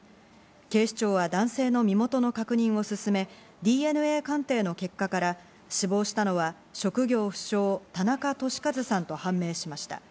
警視庁は男性の身元の確認を進め、ＤＮＡ鑑定の結果から死亡したのは職業不詳、田中寿和さんと判明しました。